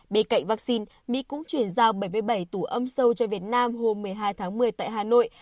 bên cạnh vaccine mỹ cũng chuyển giao bảy mươi bảy tủ âm sâu cho việt nam hôm một mươi hai tháng một mươi tại hà nội